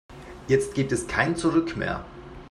Jetzt gibt es kein Zurück mehr.